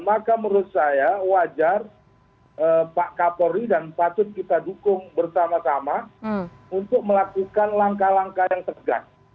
maka menurut saya wajar pak kapolri dan patut kita dukung bersama sama untuk melakukan langkah langkah yang tegas